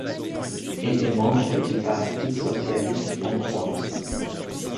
Et est membre du Parti socialiste hongrois.